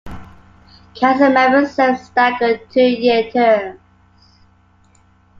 Council members serve staggered two-year terms.